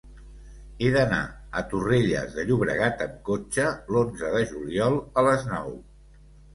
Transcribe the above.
He d'anar a Torrelles de Llobregat amb cotxe l'onze de juliol a les nou.